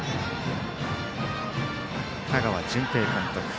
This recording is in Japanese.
香川純平監督。